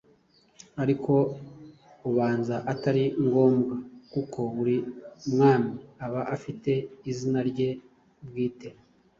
Ariko ubanza atari ngombwa, kuko buri mwami aba afite izina rye bwite,